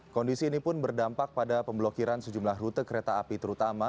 kondisi ini pun berdampak pada pemblokiran sejumlah rute kereta api terutama